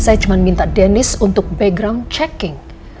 saya cuman minta dennis untuk background checking